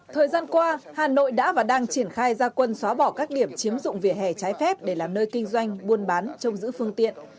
thời gian qua hà nội đã và đang triển khai gia quân xóa bỏ các điểm chiếm dụng vỉa hè trái phép để làm nơi kinh doanh buôn bán trong giữ phương tiện